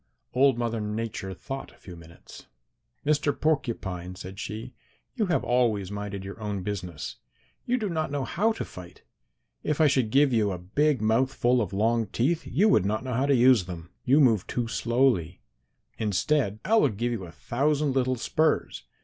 "Old Mother Nature thought a few minutes. 'Mr. Porcupine,' said she, 'you have always minded your own business. You do not know how to fight. If I should give you a big mouth full of long teeth you would not know how to use them. You move too slowly. Instead, I will give you a thousand little spurs.